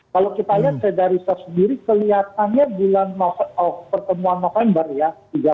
kalau kita lihat feda research sendiri kelihatannya bulan pertemuan november ya